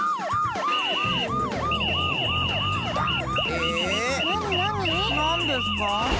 えっ⁉なになに？なんですか？